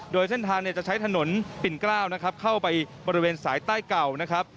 โดยเส้นทางจะใช้ถนนปิ่นกล้าวเข้าไปบริเวณสายใต้เก่า